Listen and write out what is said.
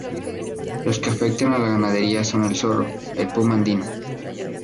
Los que afectan a la ganadería son el zorro, el puma andino.